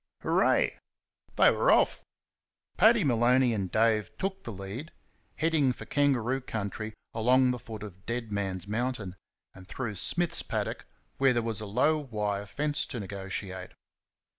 Hooray! They were off. Paddy Maloney and Dave took the lead, heading for kangaroo country along the foot of Dead Man's Mountain and through Smith's paddock, where there was a low wire fence to negotiate.